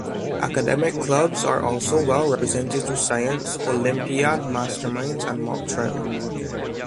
Academic clubs are also well represented through Science Olympiad, Masterminds, and Mock Trial.